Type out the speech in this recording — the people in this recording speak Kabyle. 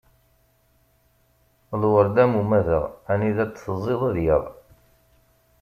Lweṛd am umadaɣ, anida t-teẓẓiḍ ad yaɣ.